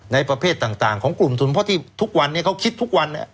ในประเภทต่างของกลุ่มทุนเพราะที่ทุกวันนี้เขาคิดทุกวัน